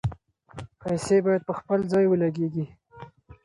پیسې باید په خپل ځای ولګیږي.